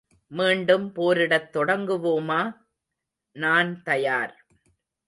மீண்டும் போரிடத் தொடங்குவோமா? நான் தயார்!